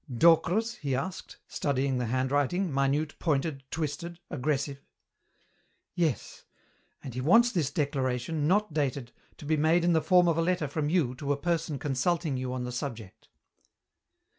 "Docre's?" he asked, studying the handwriting, minute, pointed, twisted, aggressive. "Yes, and he wants this declaration, not dated, to be made in the form of a letter from you to a person consulting you on the subject."